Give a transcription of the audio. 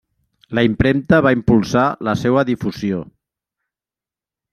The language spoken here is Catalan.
La impremta va impulsar la seua difusió.